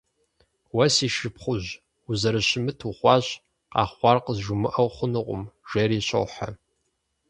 Уэ си шыпхъужь, узэрыщымыт ухъуащ: къэхъуар къызжумыӏэу хъунукъым, - жери щохьэ.